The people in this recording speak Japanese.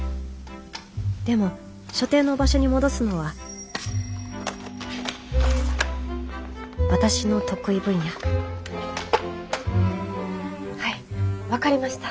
でも所定の場所に戻すのは私の得意分野はい分かりました。